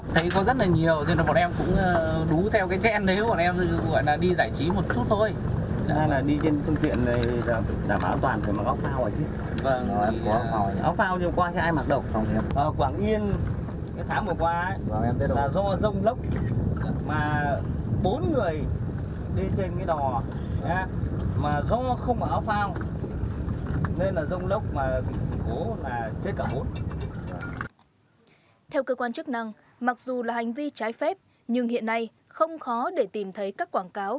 theo cơ quan chức năng mặc dù là hành vi trái phép nhưng hiện nay không khó để tìm thấy các quảng cáo